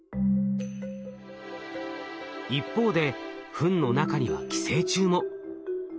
一方でフンの中には寄生虫も。